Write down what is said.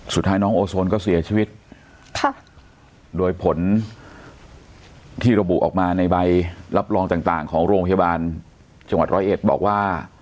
สุดท้ายน้องโอโซนก็เสียชีวิตค่ะโดยผลที่ระบุออกมาในใบรับรองต่างของโรงพยาบาลจังหวัดร้อยเอ็ดบอกว่า